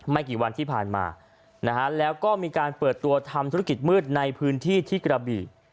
กี่วันที่ผ่านมานะฮะแล้วก็มีการเปิดตัวทำธุรกิจมืดในพื้นที่ที่กระบี่